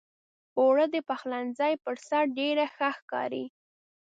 اوړه د پخلنځي پر سر ډېر ښه ښکاري